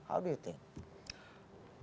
apa pendapat anda